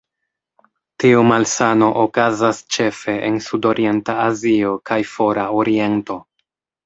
Tiu malsano okazas ĉefe en Sudorienta Azio kaj Fora Oriento.